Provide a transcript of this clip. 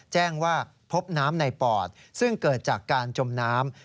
แจ้งว่าพบน้ำในปอดซึ่งเกิดจากการจมน้ำ